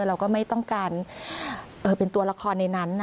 เราก็ไม่ต้องการเป็นตัวละครในนั้น